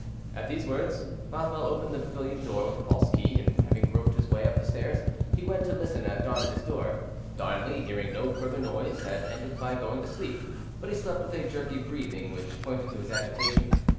At these words, Bothwell opened the pavilion door with a false key, and, having groped his way up the stairs; he went to listen at Darnley's door. Darnley, hearing no further noise, had ended by going to sleep; but he slept with a jerky breathing which pointed to his agitation.